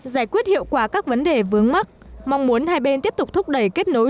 giải quyết hiệu quả các vấn đề vướng mắt mong muốn hai bên tiếp tục thúc đẩy kết nối